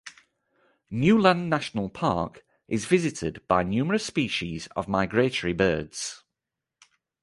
Nieuw Land National Park is visited by numerous species of migratory birds.